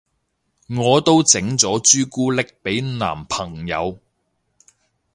我都整咗朱古力俾男朋友